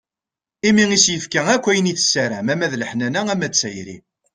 Imi i s-yefka akk ayen i tessaram ama d leḥnana, ama d tayri.